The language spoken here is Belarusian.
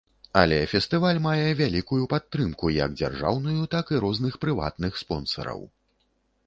Але фестываль мае вялікую падтрымку як дзяржаўную, так і розных прыватных спонсараў.